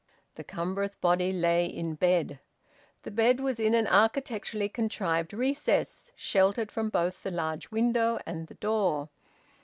The cumbrous body lay in bed. The bed was in an architecturally contrived recess, sheltered from both the large window and the door.